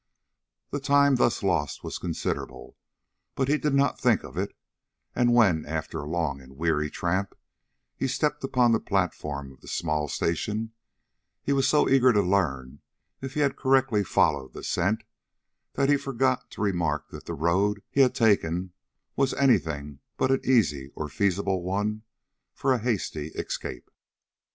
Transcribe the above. The time thus lost was considerable, but he did not think of it; and when, after a long and weary tramp, he stepped upon the platform of the small station, he was so eager to learn if he had correctly followed the scent, that he forgot to remark that the road he had taken was any thing but an easy or feasible one for a hasty escape.